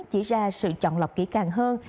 chỉ ra sự chọn lọc kỹ càng hơn